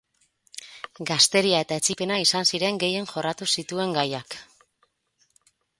Gazteria eta etsipena izan ziren gehien jorratu zituen gaiak.